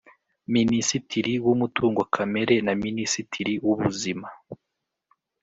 Minisitiri w Umutungo Kamere na Minisitiri w Ubuzima